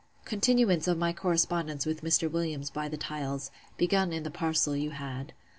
Continuance of my correspondence with Mr. Williams by the tiles; begun in the parcel you had.